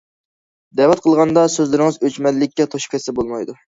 دەۋەت قىلغاندا سۆزلىرىڭىز ئۆچمەنلىككە توشۇپ كەتسە بولمايدۇ.